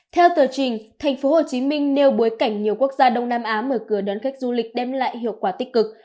theo tờ trình thành phố hồ chí minh nêu bối cảnh nhiều quốc gia đông nam á mở cửa đón khách du lịch đem lại hiệu quả tích cực